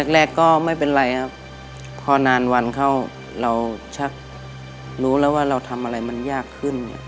แรกก็ไม่เป็นไรครับพอนานวันเข้าเราชักรู้แล้วว่าเราทำอะไรมันยากขึ้น